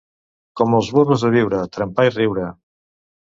Com els burros de Biure, trempar i riure.